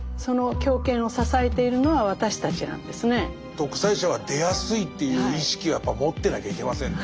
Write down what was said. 独裁者は出やすいという意識はやっぱ持ってなきゃいけませんね。